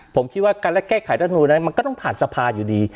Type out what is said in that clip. ผมคิดว่าการและแก้ไขรัฐมนูลนั้นมันก็ต้องผ่านสภาอยู่ดี